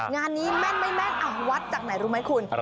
งานนี้แม่นมั้ยวัฒน์จากไหนรู้มั้ยคุณ